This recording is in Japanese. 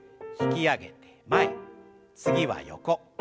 引き上げて前次は横。